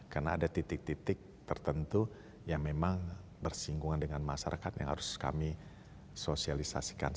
karena ada titik titik tertentu yang memang bersinggungan dengan masyarakat yang harus kami sosialisasikan